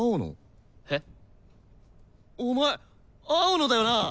お前青野だよな！？